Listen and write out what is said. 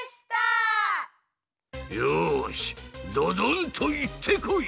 よしドドンといってこい！